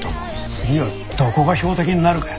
次はどこが標的になるかや。